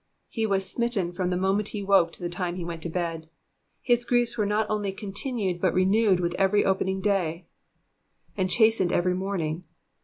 '''' Ho was smitten from the moment he woke to the time he went to bed. His griefs were not only con tinued, but renewed with every opening day, ^^And chastened etery morning.''